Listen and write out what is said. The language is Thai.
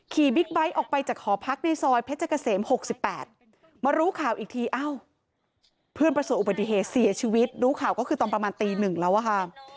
บิ๊กไบท์ออกไปจากหอพักในซอยเพชรเกษม๖๘มารู้ข่าวอีกทีอ้าวเพื่อนประสบอุบัติเหตุเสียชีวิตรู้ข่าวก็คือตอนประมาณตี๑แล้วอะค่ะ